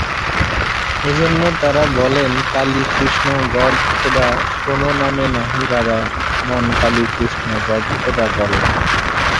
এজন্য তারা বলেন- কালী কৃষ্ণ গড খোদা কোন নামে নাহি বাধা মন কালী কৃষ্ণ গড খোদা বলো রে।